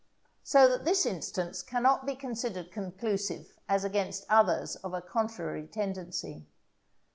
So that this instance cannot be considered conclusive as against others of a contrary tendency.